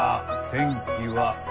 天気は？